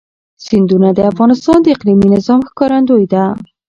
سیندونه د افغانستان د اقلیمي نظام ښکارندوی ده.